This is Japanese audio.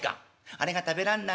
あれが食べらんない